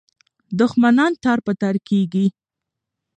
دښمنان تار په تار کېږي.